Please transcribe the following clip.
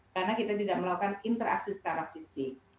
karena kita tidak melakukan interaksi secara fisik